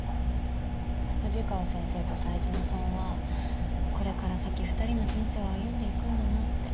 藤川先生と冴島さんはこれから先２人の人生を歩んでいくんだなって。